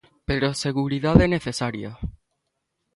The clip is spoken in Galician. Pero a seguridade é necesaria.